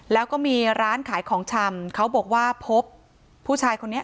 แล้วก็มีร้านขายของชำเขาบอกว่าพบผู้ชายคนนี้